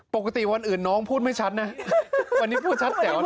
ปกติวันอื่นน้องพูดไม่ชัดนะวันนี้พูดชัดแจ๋วนะ